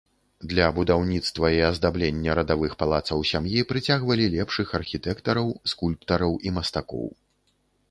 Для будаўніцтва і аздаблення радавых палацаў сям'і прыцягвалі лепшых архітэктараў, скульптараў і мастакоў.